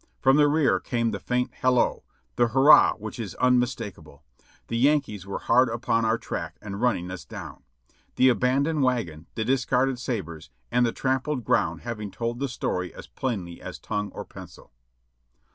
From the rear came the faint halloa, the hurrah which is unmistakable. The Yankees were hard upon our track and running us down — the abandoned wagon, the discarded sabres and the trampled ground having told the story as plainly as tongue or pencil.